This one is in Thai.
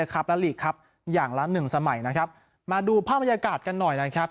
และลีกครับอย่างละหนึ่งสมัยนะครับมาดูภาพบรรยากาศกันหน่อยนะครับ